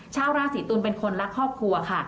ชาวราศีตุลเป็นคนรักครอบครัวค่ะ